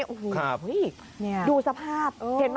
อู๋ดูสภาพ